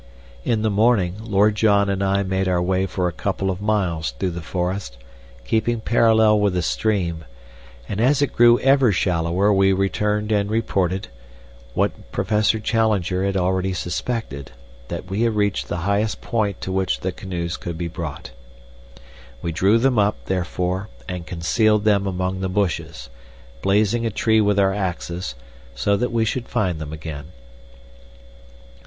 In the morning Lord John and I made our way for a couple of miles through the forest, keeping parallel with the stream; but as it grew ever shallower we returned and reported, what Professor Challenger had already suspected, that we had reached the highest point to which the canoes could be brought. We drew them up, therefore, and concealed them among the bushes, blazing a tree with our axes, so that we should find them again.